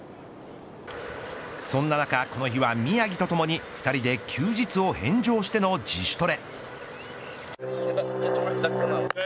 そんな中、この日は宮城とともに２人で休日を返上しての自主トレ。